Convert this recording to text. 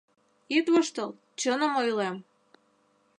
— Ит воштыл, чыным ойлем!